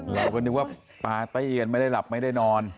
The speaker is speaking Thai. เราก็นึกว่าปาร์ตี้กันไม่ได้หลับไม่ได้นอน